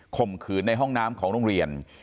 ข่มขืนในห้องน้ำของโรงเรียน